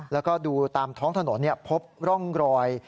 แล้วก็ดูตามท้องถนนพบร่องรอย